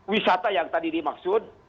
wisata yang tadi dimaksud